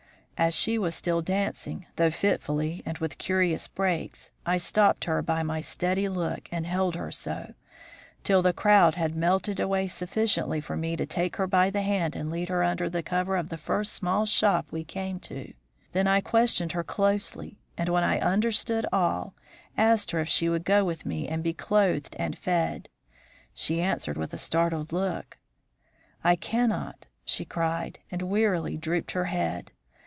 As she was still dancing, though fitfully and with curious breaks, I stopped her by my steady look and held her so, till the crowd had melted away sufficiently for me to take her by the hand and lead her under the cover of the first small shop we came to. Then I questioned her closely, and, when I understood all, asked her if she would go with me and be clothed and fed. She answered with a startled look. 'I cannot!' she cried, and wearily drooped her head.